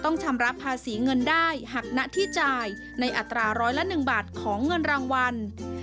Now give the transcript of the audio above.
ในรายงาน